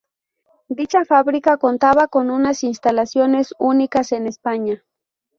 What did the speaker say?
Dicha fábrica contaba con unas instalaciones únicas en España.